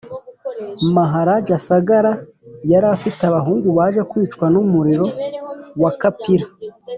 maharaja sagara yari afite abahungu baje kwicwa n’umuriro wa kapila